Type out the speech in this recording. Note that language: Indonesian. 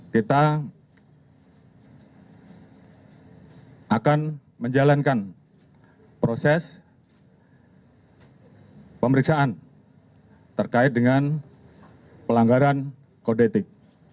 kita akan menjalankan proses pemeriksaan terkait dengan pelanggaran kodetik